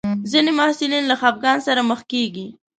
ځینې محصلین له خپګان سره مخ کېږي.